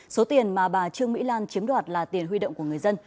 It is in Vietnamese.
số tiền mà bà trương mỹ lan chiếm đoạt là tiền huy động của người dân